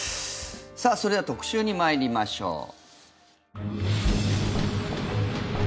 それでは特集に参りましょう。